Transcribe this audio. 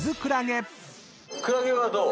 クラゲはどう？